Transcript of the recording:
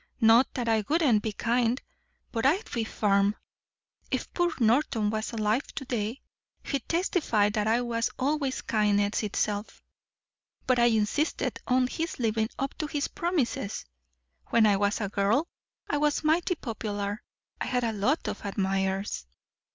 Not that I wouldn't be kind but I'd be firm. If poor Norton was alive to day he'd testify that I was always kindness itself. But I insisted on his living up to his promises. When I was a girl I was mighty popular. I had a lot of admirers."